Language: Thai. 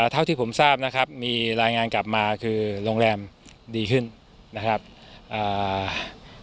เท่าที่ผมทราบนะครับมีรายงานกลับมาคือโรงแรมดีขึ้นนะครับอ่า